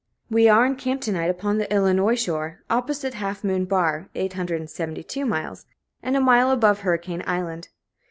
We are in camp to night upon the Illinois shore, opposite Half Moon Bar (872 miles), and a mile above Hurricane Island.